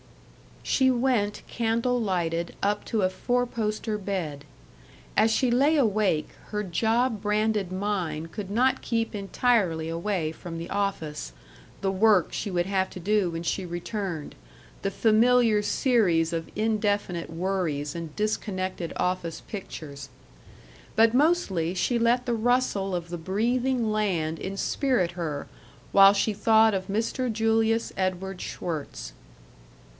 She went candle lighted up to a four poster bed. As she lay awake, her job branded mind could not keep entirely away from the office, the work she would have to do when she returned, the familiar series of indefinite worries and disconnected office pictures. But mostly she let the rustle of the breathing land inspirit her while she thought of Mr. Julius Edward Schwirtz.